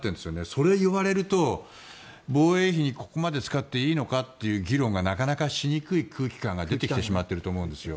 それを言われると防衛費にここまで使っていいのかという議論がなかなかしにくい空気感が出てきてしまっていると思うんです。